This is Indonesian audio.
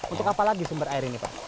untuk apa lagi sumber air ini pak